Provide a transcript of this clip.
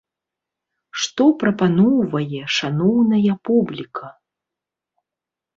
Што прапаноўвае шаноўная публіка?